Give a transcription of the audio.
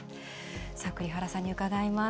栗原さんに伺います。